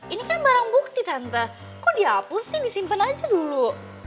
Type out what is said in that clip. ini kan barang bukti tante kok dihapus sih disimpan aja dulu